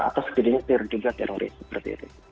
atau sekiranya teroris seperti itu